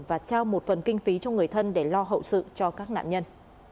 và trao một phần kinh phí cho người thân để lo hậu sự cho các nạn nhân